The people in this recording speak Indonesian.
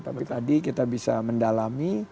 tapi tadi kita bisa mendalami